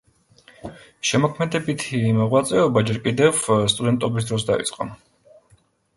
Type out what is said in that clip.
შემოქმედებითი მოღვაწეობა ჯერ კიდევ სტუდენტობის დროს დაიწყო.